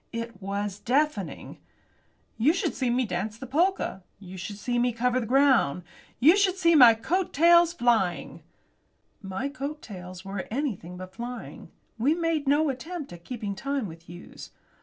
It was deafening! You should see me dance the polka, You should see me cover the ground; You should see my coat tails flying My coat tails were anything but flying. We made no attempt at keeping time with Hughes.